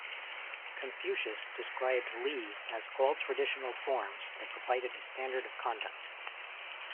Confucius described "Li" as all traditional forms that provided a standard of conduct.